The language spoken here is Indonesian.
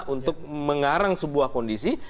untuk mengarang sebuah kondisi